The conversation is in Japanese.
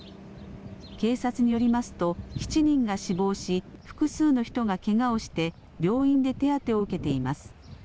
警察によりますと７人が死亡し複数の人がけがをして病院で手当てを受けています。